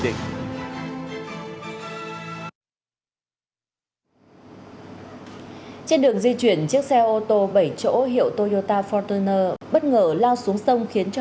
trên đường di chuyển chiếc xe ô tô bảy chỗ hiệu toyota fortuner bất ngờ lao xuống sông khiến cho